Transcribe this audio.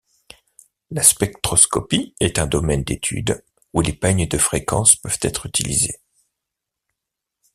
La spectroscopie est un domaine d'études où les peignes de fréquences peuvent être utilisés.